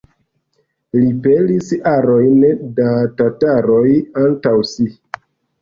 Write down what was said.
Li pelis arojn da tataroj antaŭ si.